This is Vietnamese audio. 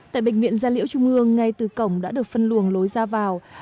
tại bệnh viện gia liễu trung ương ngay từ cổng đã được phân luồng lối ra vào